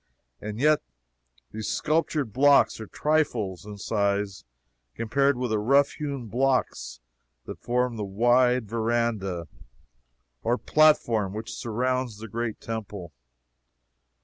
And yet these sculptured blocks are trifles in size compared with the rough hewn blocks that form the wide verandah or platform which surrounds the Great Temple.